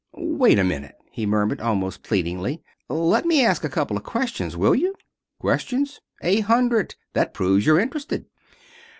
"Wait a minute," he murmured, almost pleadingly. "Let me ask a couple of questions, will you?" "Questions? A hundred. That proves you're interested."